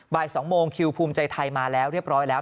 บ่าย๒โมงคิวภูมิใจไทยมาแล้วเรียบร้อยแล้ว